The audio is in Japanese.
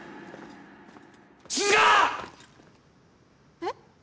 えっ？